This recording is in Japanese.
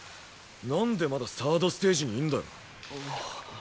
なんでまだ３ｒｄステージにいんだよ？